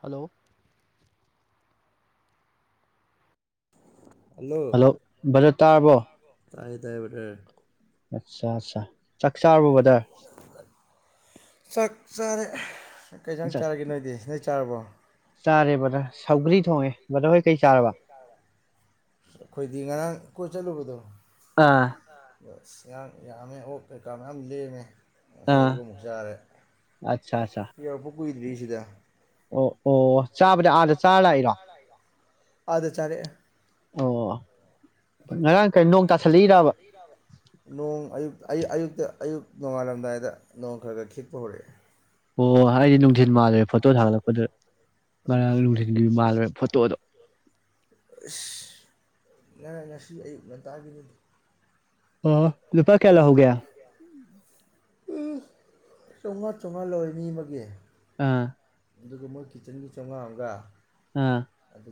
Hello. Hello ꯕꯗꯔ꯫ ꯇꯥꯔꯕꯣ꯫ ꯇꯥꯏ ꯇꯥꯌ‌ꯦ ꯕꯗꯔ꯫ ꯑꯠꯆꯥ ꯑꯠꯆꯥ ꯆꯥꯛ ꯆꯥꯔꯕꫭ ꯕꯗꯔ꯫ [unintelligible] ꯁꯥꯛ ꯆꯥꯔꯦ ꯀꯩꯏꯟꯖꯥꯡ ꯆꯥꯛ ꯆꯥꯔꯦꯒꯦ ꯅꯣꯏꯗꯤ ꯅꫭꯏ ꯆꯥꯔꯕꯣ ꯆꯥꯔꯦ ꯕꯗ꯭ꯌ ꯁꯧꯒ꯭ꯔꯤ ꯊꯣꯡꯉꯦ ꯕꯗ꯭ꯔ ꯍꯣꯏ ꯀꯩ ꯆꯥꯔꯕ ꯑꯩꯈꯣꯏꯗꯤ ꯉꯔꯥꯡ ꯀꯣꯏ ꯆꯠꯂꯨꯕꯗꯣ ꯑꯥ ꯉꯌꯥꯡ ꯌꯥꯝꯃꯦ ꯑꯣꯛ ꯀꯩꯀꯥ ꯃꯥꯌꯝ ꯂꯩꯃꯦ ꯉꯁꯤ ꯑꯥ ꯑꯌꯨꯛ ꯑꯃꯥꯛ ꯆꯥꯔꯦ ꯑꯠꯆꯥ ꯑꯠꯆꯥ ꯀꯨꯏꯗ꯭ꯔꯤꯌꯦꯁꯤꯗ ꯑꯣ ꯑꯣ ꯆꯥꯕꯗꯤ ꯑꯥꯗ ꯆꯥꯔ ꯂꯥꯛꯏꯔꯣ ꯑꯗ ꯆꯔꯦꯛ ꯑꯦ ꯑꯣ ꯉꯔꯥꯡ ꯀꯩ ꯅꯣꯡ ꯇꯥꯁꯜꯂꯛꯏꯔꯕ ꯑꯗ ꯑꯌꯨꯛ ꯅꯣꯡꯉꯥꯜꯂꯝꯗꯥꯏꯗ ꯅꯣꯡ ꯈꯔ ꯈꯔ ꯈꯤꯠꯄ ꯍꯧꯔꯛꯑꯦ ꯑꯣ ꯍꯥꯏꯗꯤ ꯅꯨꯡꯊꯤꯟ ꯃꯥꯜꯂꯦ ꯐꯣꯇꯣ ꯊꯥꯒꯠꯂꯛꯄꯗꯨꯗ [unintelligible] ꯐꯣꯇꯣꯗꯣ ꯑꯁ ꯉꯔ ꯉꯁꯤ ꯑꯌꯨꯛ ꯉꯟꯇꯥꯒꯤꯅꯤꯗꯤ ꯑꫭ ꯂꯨꯄꯥ ꯀꯌꯥ ꯂꯧꯍꯧꯒꯦ ꯎ ꯆꯝꯉ ꯆꯝꯉ ꯂꯧꯋꯦ ꯃꯤ ꯑꯃꯒꯤ ꯑꯥ ꯑꯗꯨꯒ ꯃꯣꯏ ꯀꯤꯠꯆꯟꯒꯤ ꯆꯥꯝꯃꯉꯥ ꯑꯃꯒ ꯑꯥ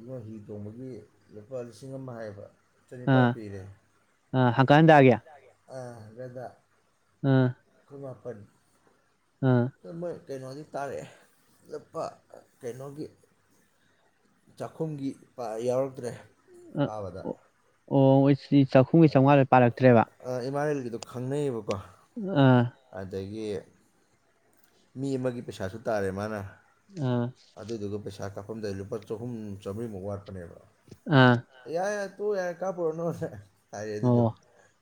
ꯃꫭꯏ ꯍꯤ ꯇꯣꯡꯕꯒꯤ ꯂꯨꯄꯥ ꯂꯤꯁꯤꯡ ꯑꯃ ꯍꯥꯏꯌꯦꯕ ꯆꯅꯤꯄꯥꯟ ꯄꯤꯔꯦ ꯍꯟꯀꯠ ꯍꯟꯗꯒꯤ ꯑ ꯕꯦꯗ ꯑ ꯃꯤ ꯃꯥꯄꯟ ꯇꯨꯃꯣꯏ ꯀꯩꯅꯣꯗꯤ ꯇꯥꯔꯛꯑꯦ ꯂꯨꯞꯄ ꯀꯩꯅꯣꯒꯤ ꯆꯥꯛꯈꯨꯝꯒꯤ ꯄ ꯌꯥꯎꯔꯛꯇ꯭ꯔꯦ ꯑꯥ ꯄꯕꯗ ꯑꯣ ꯑꯣ ꯆꯥꯛꯈꯨꯝꯒ ꯆꯥꯝꯉꯥꯗꫭ ꯄꯔꯛꯇ꯭ꯔꯦꯕ ꯗꫭ ꯈꯪꯅꯩꯌꯦꯕꯀꯣ ꯑꯥ ꯒꯤ ꯃꯤ ꯑꯃꯒꯤ ꯄꯩꯁꯥꯁꯨ ꯇꯥꯔꯦ ꯃꯥꯅ ꯑꯥ ꯑꯗꯗꯨꯒ ꯄꯩꯁꯥ ꯀꯞ ꯐꯝꯗ ꯂꯨꯄꯥ ꯆꯍꯨꯝ ꯆꯥꯝꯔꯤꯃꯨꯛ ꯋꯥꯠꯄꯅꯦꯕ ꯑꯥ [unintelligible] ꯌꯥ ꯌꯥ ꯀꯞꯄꯨꯔꯅꯨꯅ ꯍꯥꯏꯌꯦ ꯑꯗꯨꯗꯣ ꯑꯣ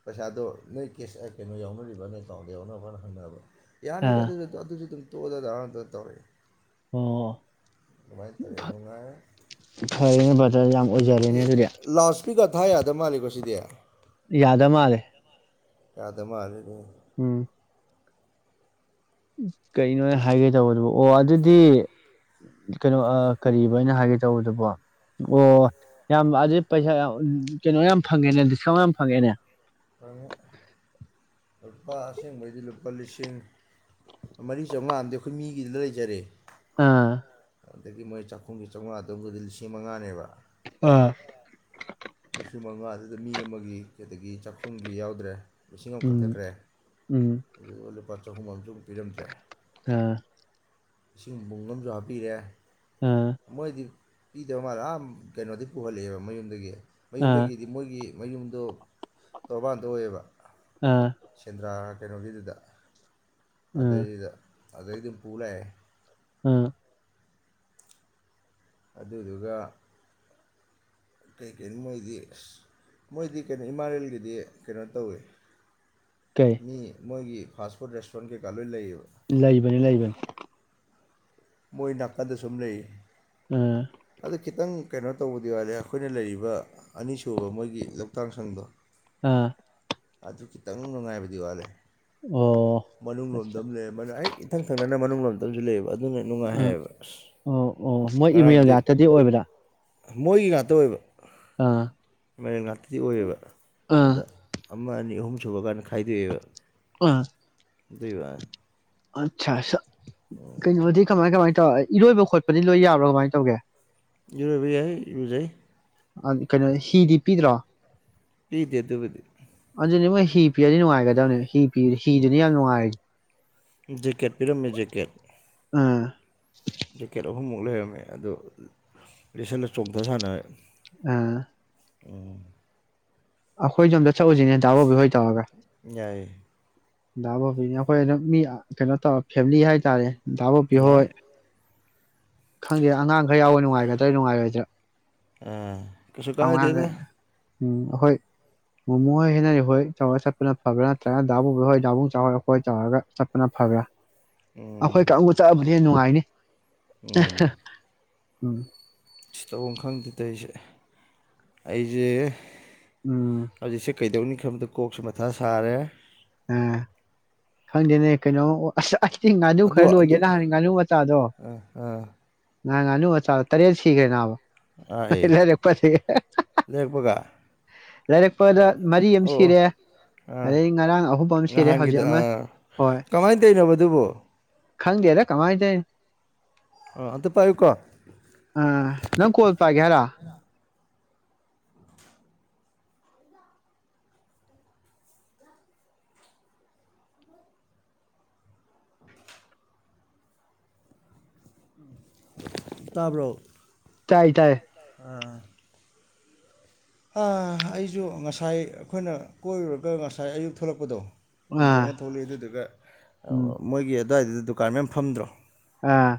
ꯄꯩꯁꯥꯗꯣ ꯅꯣꯏ ꯀꯦꯁ ꯀꯩꯅꯣ ꯌꯥꯎꯅꯔꯤꯕꫭꯅ ꯑꯦꯀꯥꯎꯟꯗ ꯌꯥꯎꯅꯔꯤꯕꫭꯅ ꯍꯪꯅꯕ ꯌꯥꯅꯤ ꯑꯥ ꯑꯗꯨꯗꯤ [unintelligible] ꯗ ꯗꯥ [unintelligible] ꯇꯧꯔꯛꯑꯦ ꯑꯣ ꯑꯗꯨꯃꯥꯏꯅ ꯇꯧꯔꯛꯑꯦ ꯐ ꯅꯨꯡꯉꯥꯏꯔꯦ ꯐꯔꯦꯅꯦ ꯕꯗ꯭ꯔ ꯌꯥꯝ ꯑꯣꯏꯖꯔꯦꯅꯦ ꯑꯗꯨꯗꯤ ꯏ ꯀꯥꯔꯗ ꯊꯥ ꯌꯥꯗ ꯃꯥꯜꯂꯦꯀꯣ ꯁꯤꯗꯤ ꯌꯥꯗ ꯃꯥꯜꯂꯦ ꯌꯥꯗ ꯃꯥꯜꯂꯦ ꯎꯝ ꯀꯩꯅꯣ ꯑꯦ ꯍꯥꯏꯒꯦ ꯇꯧꯕꯗꯨꯕꯨ ꯑꯣ ꯑꯗꯨꯗꯤ ꯀꯩꯅꯣ ꯑ ꯀꯔꯤꯕ ꯑꯩꯅ ꯍꯥꯏꯒꯦ ꯇꯧꯕꯗꯨꯕꯣ ꯑꯣ ꯌꯥꯝ ꯑꯗꯨꯗꯤ ꯄꯩꯁꯥ ꯌꯥꯝ ꯀꯩꯅꯣ ꯌꯥꯝ ꯐꯪꯉꯦꯅꯦ ꯗꯤꯁꯀꯥꯎꯟ ꯌꯥꯝ ꯐꯪꯉꯦꯅꯦ ꯂꯨꯄꯥ ꯑꯁꯦꯡꯕꯩꯗꯤ ꯂꯨꯄꯥ ꯂꯤꯁꯤꯡ ꯃꯔꯤ ꯆꯥꯝꯃꯉꯥ ꯑꯃꯗꯤ ꯑꯩꯈꯣꯏ ꯃꯤꯒꯤꯗ ꯂꯩꯖꯔꯦ ꯑꯥ ꯑꯗꯒꯤ ꯃꯣꯏ ꯆꯥꯛꯈꯨꯝꯒꯤ ꯆꯥꯝꯃꯉꯥ ꯗꯨꯒꯗꯤ ꯂꯤꯁꯤꯡ ꯃꯉꯥꯅꯦꯕ ꯑꯥ ꯂꯤꯁꯤꯡ ꯃꯉꯥ ꯑꯗꯨꯗ ꯃꯤ ꯑꯃꯒꯤ ꯑꯗꯒꯤ ꯆꯥꯛꯈꯨꯝꯒꯤ ꯌꯥꯎꯗ꯭ꯔꯦ ꯂꯤꯁꯤꯡ ꯑꯃ ꯎꯝ ꯀꯛꯊꯠꯈ꯭ꯔꯦ ꯎꯝ ꯑꯗꯨꯒ ꯂꯨꯄꯥ ꯆꯥꯍꯨꯝ ꯑꯝꯖꯨ ꯄꯤꯔꯝꯗ꯭ꯔꯦ ꯑꯥ ꯏꯁꯤꯡ ꯕꯨꯡ ꯑꯝꯖꯨ ꯍꯥꯞꯄꯤꯔꯦ ꯑꯥ ꯃꯣꯏꯗꯤ ꯄꯤꯗꯕ ꯃꯥꯜꯂꯦ ꯑ ꯀꯩꯅꯣꯗꯩ ꯄꯨꯍꯜꯂꯛ ꯑꯦꯕ ꯃꯌꯨꯝꯗꯒꯤ ꯑꯥ ꯃꯌꯨꯝꯗꯒꯤꯗꯤ ꯃꯣꯏꯒꯤ ꯃꯌꯨꯝꯗꯣ ꯇꯣꯔꯕꯥꯟꯗ ꯑꯣꯏꯌꯦꯕ ꯑꯥ ꯁꯦꯟꯗ꯭ꯔꯥ ꯀꯩꯅꯣꯒꯤꯗꯨꯗ ꯑꯥ ꯑꯗꯩꯗꯨꯗ ꯑꯗꯩ ꯑꯗꯨꯝ ꯄꯨꯂꯛꯑꯦ ꯎꯝ ꯑꯗꯨꯗꯨꯒ ꯀꯩ ꯀꯩꯅꫭ ꯃꯣꯏꯒꯤ ꯑꯁ ꯃꯣꯏꯗꯤ ꯀꯩꯅꯣ ꯏꯃꯥꯔꯦꯟꯒꯤꯗꯤ ꯀꯩꯅꯣ ꯇꯧꯋꯦ ꯀꯩ ꯃꯤ ꯃꯣꯏꯒꯤ ꯐꯥꯁ ꯐꯨꯗ ꯔꯦꯇꯨꯔꯦꯟ ꯀꯩꯀꯥ ꯂꯣꯏ ꯂꯩꯌꯦꯕ ꯂꯩꯕꯅꯤ ꯂꯩꯕꯅꯤ ꯃꯣꯏ ꯅꯥꯀꯟꯗ ꯁꯨꯝ ꯂꯩ ꯑꯝ ꯈꯤꯇꯪ ꯀꯩꯅꯣ ꯇꯧꯕꯗꯤ ꯋꯥꯂꯦ ꯑꯩꯈꯣꯏꯅ ꯂꯩꯔꯤꯕ ꯑꯅꯤꯁꯨꯕ ꯃꯣꯏꯒꯤ ꯂꯧꯇꯥꯛꯁꯪꯗꯣ ꯑꯥ ꯑꯗꯨ ꯈꯤꯇꯪ ꯅꯨꯡꯉꯥꯏꯕꯗꯤ ꯋꯥꯠꯂꯦ ꯑꯣ ꯃꯅꯨꯡ ꯑꯠꯆꯥ ꯂꯣꯝꯗꯕꯅꯦ ꯑꯩ ꯏꯊꯪ ꯊꯪꯅꯅ ꯃꯅꯨꯡ ꯂꯣꯝꯗ ꯑꯗꯨ ꯂꯩꯕ ꯎꯝ ꯑꯣ ꯑꯣ ꯃꯣꯏ ꯏꯃꯦꯜ ꯉꯔꯥꯡꯗꯤ ꯉꯥꯛꯇꯗꯤ ꯑꯣꯏꯕꯗ ꯃꯣꯏꯒꯤ ꯉꯥꯛꯇ ꯑꯣꯏꯕ ꯃꯔꯦꯟ ꯉꯥꯛꯇꯗꯤ ꯑꯣꯏꯌꯦꯕ ꯑꯥ ꯑꯗ ꯑꯃ ꯑꯅꯤ ꯑꯍꯨꯝ ꯁꯨꯕꯀꯥꯟꯗ ꯈꯥꯏꯗꯣꯛꯑꯦꯕ ꯑ ꯑꯗꯨꯏ ꯋꯥꯅꯤ ꯑꯆꯥ ꯁ ꯀꯩꯅꯅ ꯀꯃꯥꯏ ꯀꯃꯥꯏ ꯏꯔꯣꯏꯕ ꯈꯣꯠꯄꯗꯤ ꯂꯣꯏ ꯌꯥꯕ꯭ꯔꯥ ꯀꯃꯥꯏꯅ ꯇꯧꯒꯦ ꯏꯔꯣꯏꯕ ꯌꯥꯏ ꯏꯔꯨꯖꯩ ꯀꯩꯅꯣ ꯍꯤꯗꯤ ꯄꯤꯗ꯭ꯔꯣ ꯄꯤꯗꯦ ꯑꯗꯨ ꯑꯗꯨꯕꯨꯗꯤ ꯅꯦ ꯃꯣꯏ ꯍꯤ ꯄꯤꯔꯗꯤ ꯅꯨꯡꯉꯥꯏꯒꯗꯕꯅꯦ ꯍꯤ ꯍꯤ ꯄꯤꯔꯗꯤ ꯍꯤꯗꯨꯅ ꯌꯥꯝ ꯅꯨꯡꯉꯥꯏꯔꯦ ꯖꯦꯀꯦꯠ ꯄꯤꯔꯝꯃꯦ ꯖꯦꯀꯦꯠ ꯑꯥ ꯖꯦꯀꯦꯠ ꯑꯍꯨꯝꯃꯨꯛ ꯂꯩꯔꯝꯃꯦ ꯑꯗꯣ ꯂꯤꯁꯜꯟꯅ ꯆꯣꯡꯊ ꯁꯥꯟꯅꯔ ꯑꯥ ꯎꯝ ꯑꯈꯣꯏ ꯁꯣꯝꯗꯥ ꯁꯛꯎꯁꯤꯅꯦ ꯇꯥꯕꯣꯕꯨ ꯍꯣꯏ ꯇꯧꯔꯒ ꯌꯥꯏꯌꯦ ꯟꯗꯥ ꯕꯣꯕꯤꯅꯦ ꯑꯩꯈꯣꯏ ꯑꯗꯨꯝ ꯃꯤ ꯀꯩꯅꯣ ꯇꯧꯔ ꯐꯦꯃꯤꯂꯤ ꯍꯥꯏꯇꯥꯔꯦ ꯗꯥ ꯑꯣꯄꯤꯌꯣ ꯌꯥꯏ ꯍꯣꯏ ꯈꯪꯗꯦ ꯑꯉꯥꯡ ꯈꯔ ꯌꯥꯎꯋꯦ ꯅꯨꯡꯉꯥꯏꯒꯗ꯭ꯔꯥ ꯅꯨꯡꯉꯥꯏꯔꯣꯏꯗ꯭ꯔꯥ ꯑ ꯀꯁꯨ ꯀꯥꯏꯗꯦꯗ ꯑꯉꯥꯡꯈꯩ ꯎꯝ ꯑꯩꯈꯣꯏ ꯃꯣꯃꯣ ꯍꯣꯏ ꯍꯦꯟꯅꯔꯤ ꯍꯣꯏ ꯇꯧꯔ ꯆꯠꯄꯅ ꯐꯕ꯭ꯔꯥ ꯅꯠꯇ꯭ꯔꯒꯅ ꯗꯥꯕꯨꯡꯕꯨ ꯍꯣꯏ ꯗꯥꯕꯨꯡꯆꯥꯍꯣꯏ ꯇꯧꯔꯒ ꯆꯠꯄꯅ ꯐꯕ꯭ꯔꯥ ꯑꯩꯈꯣꯏ ꯎꯝ ꯀꯥꯡꯎ ꯆꯥꯕꯩ ꯍꯦ ꯅꯨꯡꯉꯥꯏꯅꯤ ꯎꯝ ꯎꯝ ꯁꯤ ꯇꯧꯐꯝ ꯈꯪꯗꯦꯗ ꯑꯩꯁꯦ ꯑꯩꯁꯦ ꯎꯝ ꯍꯧꯖꯤꯛꯁꯦ ꯀꯩꯗꯧꯔꯅꯤ ꯁꯝꯗ ꯀꯣꯛꯁꯨ ꯃꯊꯥ ꯁꯥꯔꯦ ꯑꯝ ꯈꯪꯗꯦꯅꯦ ꯀꯩꯅꯣ ꯏꯁꯤꯡ ꯉꯥꯅꯨ ꯑꯗꯣ ꯈꯔ ꯑꯗꯨ ꯂꯣꯏꯒꯦ ꯅꯍꯥꯟ ꯉꯥꯅꯨ ꯃꯆꯥꯗꯣ ꯑꯥ ꯉꯍꯥꯟ ꯉꯥꯅꯨ ꯃꯆꯥ ꯇꯔꯦꯠ ꯁꯤꯈ꯭ꯔꯦ ꯅꯥꯕ ꯑꯥ ꯑꯦ ꯂꯩꯔꯛꯄꯁ ꯂꯩꯔꯛꯄꯒ ꯂꯩꯔꯛꯄꯗ ꯃꯔꯤ ꯑꯃ ꯑꯣ ꯑꯣ ꯁꯤꯔꯦ ꯑꯥ ꯑꯗꯩ ꯉꯔꯥꯡ ꯑꯍꯨꯝ ꯑꯃ ꯁꯤꯔꯦ ꯍꯧꯖꯤꯛ ꯅꯍꯥꯟꯒꯤꯗ ꯑꯃ ꯑꯥ ꯍꯣꯏ ꯀꯃꯥꯏꯅ ꯇꯧꯔꯤꯅꯣ ꯑꯗꯨꯕꯣ ꯈꯪꯗꯦꯗ ꯀꯃꯥꯏ ꯇꯧꯔꯤꯅꯣ ꯑꯥ ꯑꯝꯇ ꯄꯥꯏꯌꯨꯀꯣ ꯑ ꯅꯪ ꯀꯣꯜ ꯄꯥꯏꯒꯦ ꯍꯥꯏꯔꯣ ꯇꯥꯕ꯭ꯔꯣ ꯇꯥꯏ ꯇꯥꯏ ꯑꯥ ꯍꯥ ꯑꯩꯁꯨ ꯉꯁꯥꯏ ꯑꯩꯈꯣꯏꯅ ꯀꯣꯏꯔꯨꯔꯒ ꯉꯁꯥꯏ ꯑꯌꯨꯛ ꯊꯣꯛꯂꯛꯄꯗꯣ ꯍꯤ ꯑꯥ ꯇꯣꯡꯉꯒ ꯊꯣꯛꯂꯛꯑꯦ ꯑꯗꯨꯗꯨꯒ ꯎꯝ ꯃꯣꯏꯒꯤ ꯑꯗꯨꯋꯥꯏꯗꯨꯗ ꯗꯨꯀꯥꯟ ꯃꯌꯥꯝ ꯐꯝꯗ꯭ꯔꯣ ꯑꯥ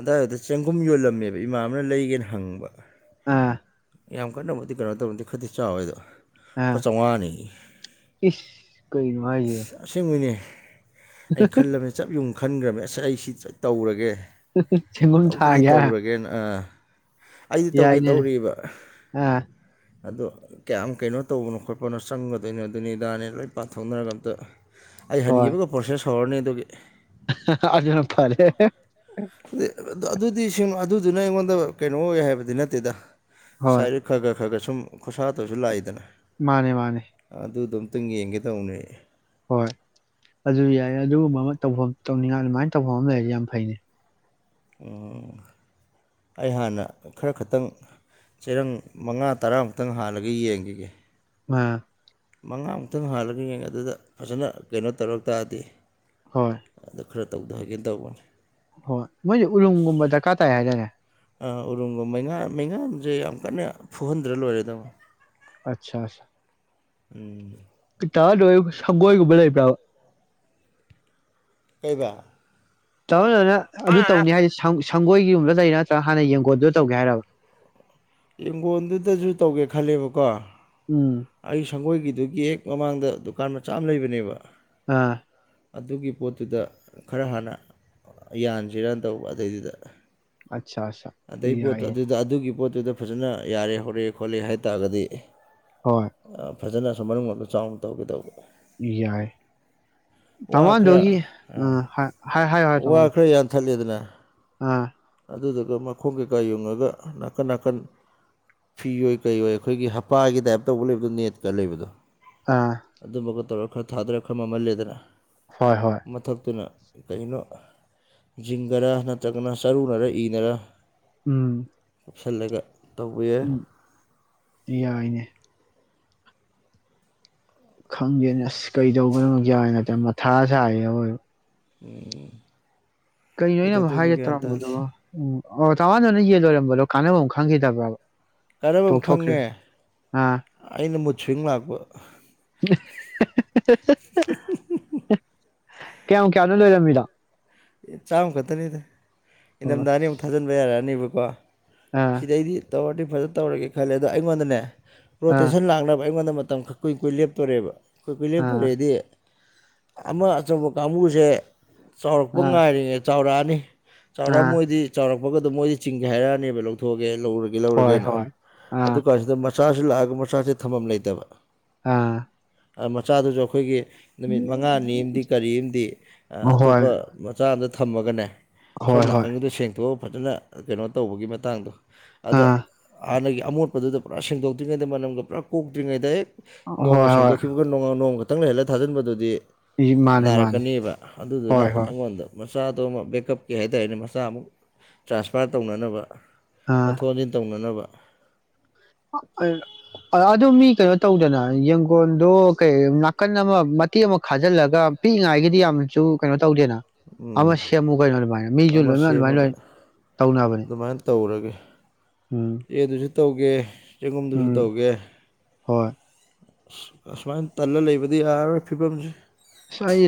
ꯑꯗꯋꯥꯏꯗ ꯆꯦꯡꯒꯨꯝ ꯌꯣꯜꯂꯝꯃꯦꯕ ꯏꯃꯥꯅꯕꯅ ꯂꯩꯒꯦꯅ ꯍꯪꯉꯨꯕ ꯑꯥ ꯌꯥꯝ ꯀꯟꯅꯕꯨꯗꯤ ꯀꯩꯅꯣ ꯇꯧꯔꯗꯤ ꯈꯔꯗꯤ ꯆꯥꯎꯋꯦꯗꯣ ꯑꯥ ꯂꯨꯄꯥ ꯆꯥꯝꯃꯉꯥꯅꯦꯌꯦ ꯏꯁ ꯀꯩꯅꯣ ꯍꯥꯏꯁꯤꯕꯣ ꯑꯁꯦꯡꯕꯩꯅꯦ ꯑꯩꯅ ꯈꯜꯂꯕꯅꯦ ꯆꯞ ꯌꯨꯡ ꯈꯟꯈ꯭ꯔꯕꯃꯦ ꯑꯁ ꯑꯩꯁꯤ ꯁꯣꯏꯗꯅ ꯇꯧꯔꯒꯦ ꯁꯦꯝꯐꯝ ꯇꯧꯗꯗꯤ ꯁꯥꯔꯒꯦ ꯍꯥꯢꯔꯣ ꯇꯧꯔꯒꯦꯅ ꯑꯥ ꯑꯩꯗꯤ ꯇꯧꯒꯦ ꯇꯧꯔꯤꯕ ꯑꯥ ꯑꯗꯣ ꯀꯌꯥꯝ ꯀꯩꯅꯣ ꯇꯧꯕꯅꯣ ꯈꯣꯠꯄꯅꯣ ꯆꯪꯒꯗꯣꯏꯅꯣ ꯑꯗꯨꯅꯤ ꯏꯗꯥꯅꯦ ꯂꯣꯏ ꯄꯥꯊꯣꯛꯅꯔꯒ ꯑꯝꯇ ꯑꯩ ꯍꯣꯏ ꯍꯟꯈꯤꯕꯒ ꯄ꯭ꯔꯣꯁꯦꯁ ꯍꯧꯔꯅꯤ ꯑꯗꯨꯒꯤ ꯑꯗꯨꯅ ꯐꯔꯦ ꯑ ꯑꯗꯨꯗꯤ ꯑꯗꯨꯗꯨꯅ ꯑꯩꯉꯣꯟꯗ ꯀꯩꯅꯣ ꯑꯣꯏ ꯍꯥꯏꯕꯗꯤ ꯅꯠꯇꯦꯗ ꯍꯣꯏ ꯁꯥꯏꯠꯇ ꯒꯤ ꯈꯔꯒ ꯈꯔꯒ ꯁꯨꯝ ꯁꯨꯝ ꯈꯣꯔꯁꯥꯇ ꯑꯣꯏꯁꯨ ꯂꯥꯛꯏꯗꯅ ꯃꯥꯅꯦ ꯃꯥꯅꯦ ꯈꯤꯇꯪ ꯌꯦꯡꯒꯦ ꯇꯧꯕꯅꯦ ꯍꯣꯏ ꯑꯗꯨ ꯌꯥꯏ ꯑꯗꯨꯒꯨꯝꯕ ꯑꯃ ꯇꯧꯐꯝ ꯇꯧꯅꯤꯡꯉꯥꯏ ꯑꯗꯨꯃꯥꯏꯅ ꯇꯧꯐꯝ ꯑꯃ ꯂꯩꯔꯗꯤ ꯌꯥꯝ ꯐꯩꯅꯦ ꯎ ꯑꯩ ꯍꯥꯟꯅ ꯈꯔ ꯈꯛꯇꯪ ꯆꯔꯪ ꯃꯉꯥ ꯇꯔꯥꯃꯨꯛꯇꯪ ꯍꯥꯜꯂꯒ ꯌꯦꯡꯈꯤꯒꯦ ꯑ ꯃꯉꯥꯃꯨꯛꯇꯪ ꯍꯥꯜꯂꯒ ꯌꯦꯡꯉ ꯑꯗꯨꯗ ꯐꯖꯅ ꯀꯩꯅꯣ ꯇꯧꯔ ꯇꯥꯔꯗꯤ ꯍꯣꯏ ꯑꯗꯨ ꯈꯔ ꯇꯧꯊꯍꯒꯦ ꯇꯧꯕꯅꯤ ꯍꯣꯏ ꯃꯣꯏꯁꯦ ꯎꯔꯨꯝꯒꯨꯝꯕ ꯗꯔꯀꯥꯔ ꯇꯥꯏ ꯍꯥꯏꯇꯥꯔꯦ ꯎꯔꯨꯝꯒꯨꯝ ꯃꯩꯉꯥ ꯃꯩꯉꯥꯁꯦ ꯌꯥꯝ ꯀꯟꯅ ꯐꯨꯍꯟꯗ꯭ꯔ ꯂꯣꯏꯔꯦꯗꯃꯣ ꯑꯆꯥ ꯎꯝ ꯇꯗ ꯁꯪꯒꯣꯏꯒꯨꯝꯕ ꯂꯩꯕ꯭ꯔꯥꯕ ꯀꯕ ꯆꯧꯅꯅꯦ ꯑꯗꯨ ꯇꯧꯅꯤ ꯍꯥꯏꯗꯤ ꯁꯪꯒꯣꯏꯒꯤꯒꯨꯝꯕꯗ ꯂꯩꯔꯤ ꯅꯠꯇ꯭ꯔꯒ ꯍꯥꯟꯅ ꯌꯦꯡꯒꯣꯟꯜꯗꯨ ꯇꯧꯒꯦ ꯍꯥꯏꯔꯕ ꯏꯡꯒꯣꯟꯗꯨꯗꯁꯨ ꯇꯧꯒꯦ ꯈꯜꯂꯦꯕꯀꯣ ꯎꯝ ꯑꯩ ꯁꯪꯒꯣꯏꯒꯤꯗꯨꯒꯤ ꯍꯦꯛ ꯃꯃꯥꯡꯗ ꯗꯨꯀꯥꯟ ꯃꯆꯥ ꯑꯃ ꯂꯩꯕꯅꯦꯕ ꯑꯥ ꯑꯗꯨꯒꯤ ꯄꯣꯠꯇꯨꯗ ꯈꯔ ꯍꯥꯟꯅ ꯌꯥꯟꯁꯤꯔꯅ ꯇꯧꯕ ꯑꯗꯨꯗꯩꯗꯨꯗ ꯑꯠꯆꯥ ꯑꯠꯆꯥ ꯑꯗꯩ ꯄꯣꯠꯇꯣ ꯌꯥꯏꯌꯦ ꯑꯗꯨꯗ ꯑꯗꯨꯒꯤ ꯄꯣ ꯑꯗꯨꯗ ꯐꯖꯅ ꯌꯥꯔꯦ ꯍꯧꯔꯛꯑꯦ ꯈꯣꯠꯂꯦ ꯍꯥꯏꯇꯥꯥꯔꯒꯗꯤ ꯍꯣꯏ ꯐꯖꯅꯁꯨ ꯃꯅꯨꯡ ꯑꯃ ꯆꯥꯎꯅ ꯇꯧꯒꯦꯗꯧꯕ ꯌꯥꯏ ꯋꯥ ꯈꯔ ꯇꯃꯥꯟꯗꯨꯒꯤ ꯍꯥꯏꯌ ꯍꯥꯏ ꯇꯃꯥꯟꯣ ꯄꯤ꯭ꯂꯦ ꯑꯥ ꯑꯗꯨꯗꯨꯒ ꯃꯈꯣꯡ ꯀꯩꯀꯥ ꯌꯨꯡꯉꯒ ꯅꯥꯀꯟ ꯅꯥꯀꯟ ꯐꯤ ꯑꯣꯏꯣꯏ ꯀꯩꯌꯣꯏ ꯑꯩꯈꯣꯏꯒꯤ ꯍꯞꯄꯥꯒꯤ ꯇꯥꯏꯞ ꯇꯧꯕ ꯂꯩꯕꯗꯣ ꯅꯦꯠꯀ ꯂꯩꯕꯗꯣ ꯑꯥ ꯑꯗꯨꯃꯒ ꯇꯧꯔꯛ ꯈꯔ ꯊꯥꯗꯔ ꯈꯔ ꯃꯃꯜꯂꯦꯗꯅ ꯍꯣꯏ ꯍꯣꯏ ꯃꯊꯛꯇꯨꯅ ꯀꯩꯅꯣ ꯖꯤꯡꯒꯔꯥ ꯅꯠꯇ꯭ꯔꯒꯅ ꯆꯔꯨꯅꯔ ꯏꯅꯔ ꯎꯝ ꯁꯜꯂꯒ ꯎꯝ ꯌꯥꯏꯅꯦ ꯈꯪꯗꯦꯅꯦ ꯑꯁ ꯀꯔꯤꯗꯧꯕꯅꯣ ꯀꯦ ꯅꯠꯇꯦ ꯃꯊꯥ ꯁꯥꯏꯌꯦꯕꯣꯏꯕ ꯎꯝ ꯀꯩꯅꯣ ꯌꯥꯝ ꯍꯥꯏꯒꯦ ꯇꯥꯝꯕꯗꯣ ꯎꯝ ꯑꯣ ꯇꯥꯔꯃꯥꯅꯗ ꯅꯣꯏ ꯌꯦꯟ ꯂꯣꯏꯔꯝꯕꯗꯣ ꯀꯥꯟꯅꯕ ꯑꯃ ꯈꯪꯈꯤꯗꯕ꯭ꯔꯕ ꯀꯔꯝꯕ ꯈꯪꯉꯦ ꯇꯣꯛꯊꯣꯛꯈ꯭ꯔꯤꯔꯣ ꯑꯥ ꯑꯩꯅ ꯃꯨꯠ ꯁ꯭ꯋꯤꯡ ꯂꯥꯛꯄ [unintelligible] ꯀꯌꯥꯝ ꯀꯌꯥꯅꯣ ꯂꯩꯣꯏꯔꯝꯃꯤꯗꯣ ꯆꯥꯝꯃ ꯈꯛꯇꯅꯤꯗ ꯑꯣ ꯏꯪꯊꯝꯊꯥꯅꯤ ꯑꯃꯨꯛ ꯊꯥꯖꯤꯟꯕ ꯌꯥꯔꯛꯑꯅꯤꯕ ꯋꯥ ꯑꯥ ꯁꯤꯗꯥꯏꯗꯤ ꯇꯋꯥꯔꯗꯤ ꯐꯖ ꯇꯧꯔꯒꯦ ꯈꯜꯂꯦ ꯑꯗꯣ ꯑꯩꯉꯣꯟꯗꯅꯦ ꯑꯥ ꯔꯣꯇꯦꯁꯟ ꯂꯥꯛꯅꯕ ꯑꯩꯉꯣꯟꯗ ꯃꯇꯝ ꯈꯛ ꯀꯨꯏ ꯀꯨꯣꯏ ꯂꯦꯞꯇꯣꯔꯦꯕ ꯑꯥ [unintelligible] ꯑꯃ ꯑꯆꯧꯕ ꯀꯥꯡꯕꯨꯁꯦ ꯆꯥꯎ ꯑꯥ ꯉꯥꯔꯤꯅꯦ ꯆꯥꯎꯔꯛꯑꯅꯤ ꯆꯥꯎꯔꯥꯛ ꯑꯥ ꯃꯣꯏꯗꯤ ꯆꯥꯎꯔꯄ ꯊꯣꯛꯄꯗ ꯃꯣꯏꯗꯤ ꯆꯤꯡꯒ ꯍꯥꯏꯔꯛꯑꯅꯦꯕ ꯂꯧꯊꯣꯛꯑꯦ ꯂꯧꯔꯒꯦ ꯍꯣꯏ ꯂꯧꯔꯒꯦꯅ ꯍꯣꯏ ꯑꯥ ꯑꯗꯨ ꯀꯥꯟꯁꯤꯗ ꯃꯆꯥꯁꯤ ꯂꯥꯛꯑꯒ ꯃꯆꯥꯁꯦ ꯊꯝꯐꯝꯝ ꯂꯩꯇꯕ ꯑꯥ ꯃꯆꯥꯗꯨꯁꯨ ꯑꯩꯈꯣꯏꯒꯤ ꯅꯨꯃꯤꯠ ꯃꯉꯥꯅꯤ ꯑꯃꯗꯤ ꯀꯔꯤ ꯑꯃꯗꯤ ꯍꯣꯏ ꯑꯇꯣꯞꯄ ꯆꯥꯝꯗ ꯊꯝꯃꯒꯅꯦ ꯁꯣꯝ ꯍꯣꯏ ꯍꯣꯏ ꯅꯥꯀꯟꯒꯤꯗꯣ ꯁꯦꯡꯇꯣꯛꯑ ꯐꯖꯅ ꯀꯩꯅꯣ ꯇꯧꯕꯒꯤ ꯃꯇꯥꯡꯗꯣ ꯑꯗ ꯑꯥ ꯍꯅꯒ ꯑꯃꯣꯠꯄꯗꯨꯗ ꯄꯨꯔꯥ ꯁꯦꯡꯗꯣꯛꯇ꯭ꯔꯤꯉꯩꯗ ꯃꯅꯝꯒ ꯄꯨꯔꯥ ꯀꯣꯛꯇ꯭ꯔꯤꯉꯩꯗ ꯍꯦꯛ ꯅꯣꯡꯃ ꯍꯣꯏ ꯍꯣꯏ ꯁꯦꯡꯗꯣꯛꯈꯤꯕꯒ ꯅꯣꯡ ꯅꯣꯡꯃꯗ ꯀꯪꯍꯜꯂ ꯊꯥꯖꯤꯟꯕꯗꯨꯗꯤ ꯏ ꯃꯥꯅꯦ ꯃꯥꯅꯦ ꯅꯥꯏꯔꯛꯀꯅꯦꯕ ꯑꯗꯨꯗꯨꯅ ꯍꯣꯏ ꯍꯣꯏ ꯃꯆꯥꯗꯣ ꯑꯃ ꯕꯦꯛꯀꯞꯀꯤ ꯍꯥꯏꯇꯥꯔꯦꯅꯦ ꯃꯆꯥ ꯑꯃꯨꯛ ꯇ꯭ꯔꯥꯟꯁꯐꯥꯔ ꯇꯧꯅꯅꯕ ꯑꯥ ꯑꯣꯟꯠꯊꯣꯛ ꯍꯟꯁꯤꯟ ꯇꯧꯅꯅꯕ ꯑꯗꯨ ꯃꯤ ꯀꯩꯅꯣ ꯇꯧꯗꯅ ꯌꯦꯡꯒꯣꯟꯗꯣ ꯀꯩ ꯅꯥꯀꯟ ꯑꯃ ꯃꯇꯦꯛ ꯑꯃ ꯈꯥꯖꯤꯜꯂꯒ ꯄꯤꯛꯏꯉꯥꯏꯒꯤꯗꯤ ꯌꯥꯝꯅꯁꯨ ꯀꯩꯅꯣ ꯇꯧꯗꯦꯅ ꯑꯃ ꯎꯝ ꯁꯦꯝꯃꯨ ꯀꯩꯅꯣ ꯑꯗꯨꯃꯥꯏꯅ ꯃꯤꯁꯨ ꯑꯃ ꯂꯣꯏꯅ ꯑꯗꯨꯃꯥꯏꯅ ꯁꯦꯝꯃꯒ ꯂꯣꯏ ꯇꯧꯅꯕꯅꯦ ꯎꯝ ꯌꯦ ꯑꯗꯨꯁꯨ ꯇꯧꯒꯦ ꯆꯦꯡꯒꯨꯝꯗꯨꯁꯨ ꯎꯝ ꯇꯧꯒꯦ ꯍꯣꯏ ꯑ ꯑꯁꯨꯃꯥꯏꯅ ꯇꯜꯂ ꯂꯩꯕꯗꯤ ꯌꯥꯔꯔꯣꯏ ꯐꯤꯕꯝꯁꯦ ꯑꯁ ꯑꯩ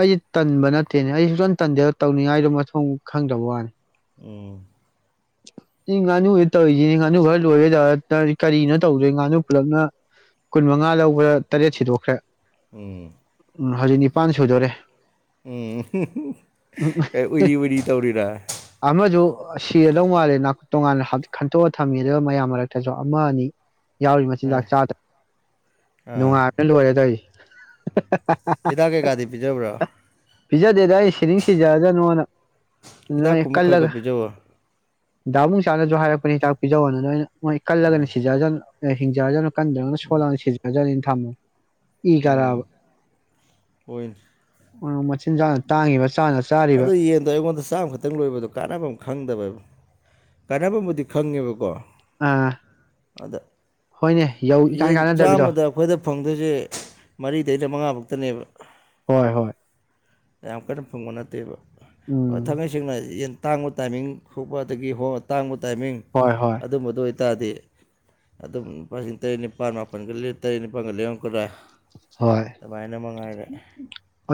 ꯑꯩꯁꯦ ꯇꯟꯕ ꯅꯠꯇꯦꯅꯦ ꯑꯩ ꯁꯨꯡꯇꯝ ꯇꯟꯗꯦ ꯇꯧꯅꯤꯡꯉꯥꯏꯗꯣ ꯃꯊꯣꯡ ꯈꯪꯗꯕ ꯋꯥꯅꯤ ꯎꯝ ꯏ ꯉꯥꯅꯨ ꯇꯧꯔꯤꯁꯤꯅꯦ ꯉꯥꯅꯨ ꯈꯔ ꯂꯣꯏꯒꯦꯗ ꯀꯔꯤꯅꯣ ꯇꯧꯗꯣꯏ ꯉꯥꯅꯨ ꯄꯨꯂꯞꯅ ꯀꯨꯟ ꯃꯉꯥ ꯂꯧꯕ꯭ꯔꯥ ꯇꯔꯦꯠ ꯁꯤꯗꯣꯛꯈ꯭ꯔꯦ ꯎꯝ ꯎꯝ ꯍꯧꯖꯤꯛ ꯅꯤꯄꯥꯟ ꯁꯨꯗꯣꯔꯦ ꯎꯝ ꯎꯝ ꯀꯩ ꯎꯏꯔꯤ ꯎꯏꯔꯤ ꯇꯧꯔꯤꯔꯥ ꯑꯁ ꯁꯤꯔꯗꯧ ꯃꯥꯜꯂꯦ ꯅꯥ ꯇꯣꯉꯥꯟꯅ ꯈꯟꯇꯣꯛꯑ ꯊꯝꯃꯤ ꯑꯗꯨꯒ ꯃꯌꯥꯝ ꯃꯔꯛꯇꯁꯨ ꯑꯃ ꯑꯅꯤ ꯌꯥꯎꯔꯤ ꯃꯆꯤꯟꯖꯥꯛ ꯑꯥ ꯆꯥꯗ ꯑꯥ ꯅꯨꯡꯉꯥꯏꯕ ꯂꯣꯏꯔꯦ ꯇꯧꯔꯤꯁꯦ [inaudible] ꯍꯤꯗꯥꯛ ꯀꯩꯀꯥꯗꯤ ꯄꯤꯖꯕ꯭ꯔꯥ ꯄꯤꯖꯥ ꯗꯦꯗ ꯑꯩ ꯁꯤꯅꯤꯡ ꯁꯤꯖꯔꯖꯅꯣꯅ ꯅꯣꯏ ꯍꯤꯗꯥꯛꯀꯨꯝꯕ ꯈꯔ ꯈꯔ ꯀꯜꯂꯒ ꯄꯤꯖꯧꯋꯣ ꯗꯥꯕꯨꯡ ꯆꯥꯅꯁꯨ ꯍꯥꯏꯔꯛꯄꯅꯦ ꯍꯤꯗꯥꯛ ꯄꯤꯖꯧꯋꯣꯅ ꯂꯣꯏꯅ ꯃꯣꯏ ꯀꯜꯂꯒꯅꯤ ꯁꯤꯖꯖꯅꯤ ꯑꯦ ꯍꯤꯡꯖꯖꯅꯨ ꯀꯟꯗ꯭ꯔꯒꯅ ꯁꯣꯂꯥꯅ ꯁꯤꯖꯤꯖꯔꯅꯤ ꯊꯝꯃꯣ ꯎꯝ ꯍꯣꯏꯅꯦ ꯃꯆꯤꯟꯖꯥꯛꯅ ꯇꯥꯡꯉꯤꯕ ꯆꯥꯅ ꯆꯥꯔꯤꯕ ꯑꯗꯣ ꯌꯦꯟꯗꯣ ꯑꯩꯉꯣꯟꯗ ꯆꯥꯝꯈꯛꯇꯪ ꯂꯣꯏꯕꯗꯣ ꯀꯥꯟꯅꯕꯝ ꯑꯃ ꯈꯪꯗꯕ ꯀꯥꯟꯅꯕꯕꯨꯗꯤ ꯈꯪꯉꯦꯕꯀꯣ ꯑꯥ ꯑꯗ ꯍꯣꯏꯅꯦ ꯌꯧ ꯏꯀꯥꯟ ꯌꯦꯟ ꯀꯥꯟꯅꯗꯕꯤꯗꯣ ꯆꯥꯝꯃꯗ ꯑꯩꯈꯣꯏꯗ ꯐꯪꯗꯣꯏꯁꯦ ꯃꯔꯤꯗꯩ ꯆꯃꯉꯥꯃꯨꯛꯇꯅꯦꯕ ꯍꯣꯏ ꯍꯣꯏ ꯌꯥꯝ ꯀꯟꯅ ꯐꯪꯕ ꯅꯠ ꯇꯦꯕ ꯎꯝ ꯊꯥꯡꯉꯩ ꯁꯦꯡꯅ ꯌꯦꯟ ꯇꯥꯡꯕ ꯇꯥꯏꯃꯤꯡ ꯍꯨꯄ ꯑꯗꯒꯤ ꯍꯣ ꯇꯥꯡꯕ ꯇꯥꯏꯃꯤꯡ ꯍꯣꯏ ꯍꯣꯏ ꯑꯗꯨꯝꯕꯗꯣ ꯑꯣꯏ ꯇꯥꯔꯗꯤ ꯑꯗꯨꯝ ꯂꯨꯄꯥꯁꯤꯡ ꯇꯔꯦꯠ ꯅꯤꯄꯥꯜ ꯃꯥꯄꯜꯒ ꯇꯔꯦꯠ ꯅꯤꯄꯥꯜꯒ ꯂꯦꯝꯃꯛꯀꯗ꯭ꯔꯥ ꯍꯣꯏ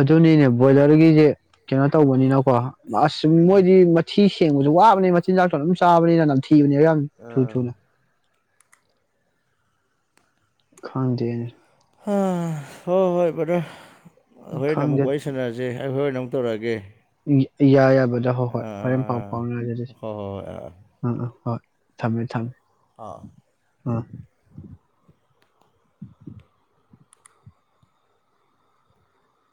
ꯑꯗꯨꯅꯤꯅꯦ ꯕꯣꯏꯂꯔꯒꯤꯁꯦ ꯀꯩꯅꯣ ꯇꯧꯕꯅꯤꯅ ꯀꯣ ꯑꯁ ꯃꯣꯏꯗꯤ ꯃꯊꯤ ꯊꯦꯡꯕꯁꯨ ꯋꯥꯕꯅꯦ ꯃꯆꯤꯟꯖꯥꯛꯣ ꯑꯗꯨꯝ ꯆꯥꯕꯅꯤꯅ ꯅꯝ ꯊ ꯊꯤꯅꯦ ꯌꯥꯝ ꯊꯨꯅ ꯑꯥ ꯊꯨꯅ ꯈꯥꯡꯗꯦ ꯍꯣꯏ ꯍꯣꯏ ꯕꯗꯣ ꯍꯣꯔꯦꯟ ꯈꯪꯗꯦ ꯑꯃꯨꯛ ꯋꯥꯔꯤ ꯁꯥꯟꯅꯔꯁꯦ ꯑꯩ ꯍꯣꯔꯦꯟ ꯑꯃꯨꯛ ꯇꯧꯔꯛꯑꯒꯦ ꯌꯥꯏ ꯌꯥꯏ ꯕꯗꯔ ꯍꯣꯏ ꯍꯣꯏ ꯍꯣꯔꯦꯟ ꯄꯥꯎ ꯑꯥ ꯐꯥꯎꯅꯉꯥꯏꯖ ꯑꯗꯨ ꯍꯣꯏ ꯍꯣꯏ ꯍꯣꯏ ꯑꯥ ꯑꯝ ꯑꯥ ꯍꯣꯏ ꯊꯝꯃꯦ ꯊꯝꯃꯦ ꯑꯥ ꯑꯥ